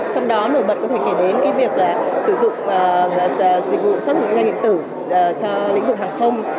trong đó nổi bật có thể kể đến việc sử dụng dịch vụ sát thục định danh điện tử cho lĩnh vực hàng không